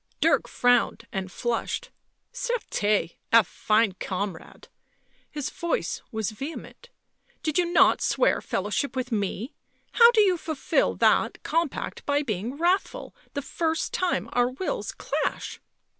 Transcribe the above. Dirk frowned and flushed. " Certes !— a fine comrade!" his voice was vehement. "Did you not swear fellowship with m el How do you fulfil that compact by being wrathful the first time our wills clash?"